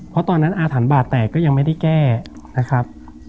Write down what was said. เพราะตอนนั้นอาถรรพ์บาดแตกก็ยังไม่ได้แก้นะครับ